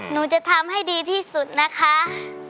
หนูจะทำให้ดีที่สุดนะคะ